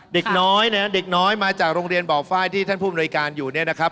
เด็กน้อยนะเด็กน้อยมาจากโรงเรียนบอกฝ้ายที่ท่านผู้บริการอยู่เนี่ยนะครับ